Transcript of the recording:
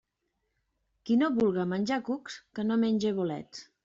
Qui no vulga menjar cucs, que no menge bolets.